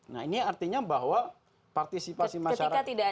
nah ini artinya bahwa partisipasi masyarakat